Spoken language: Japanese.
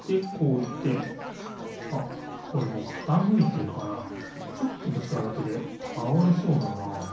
あっこれもうかたむいてるからちょっとぶつかるだけでたおれそうだな。